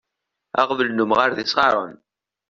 Aɣbel n umɣaṛ d isɣaṛen.